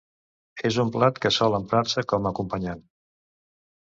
És un plat que sol emprar-se com acompanyant.